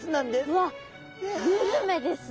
うわっグルメですね。